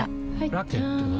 ラケットは？